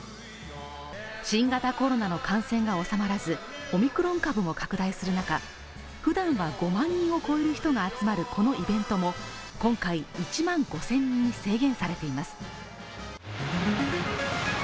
新型コロナの感染が収まらず、オミクロン株も拡大する中、ふだんは５万人を超える人が集まるこのイベントも今回、１万５０００人に制限されています。